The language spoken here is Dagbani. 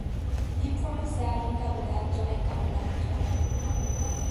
Bipuɣiŋsi ayi ka bɛ daa dɔɣi ka bi lahi dɔɣi.